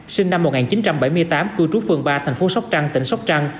sinh năm một nghìn chín trăm bảy mươi tám cư trú phường ba thành phố sóc trăng tỉnh sóc trăng